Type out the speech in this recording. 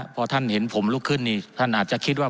พอท่านเห็นผมลุกขึ้นนี่ท่านอาจจะคิดว่า